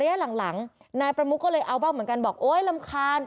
หลังนายประมุกก็เลยเอาบ้างเหมือนกันบอกโอ๊ยรำคาญ